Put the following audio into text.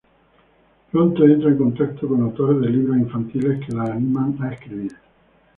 Pronto entra en contacto con autores de libros infantiles, que la animan a escribir.